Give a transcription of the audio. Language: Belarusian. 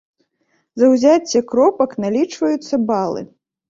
За ўзяцце кропак налічваюцца балы.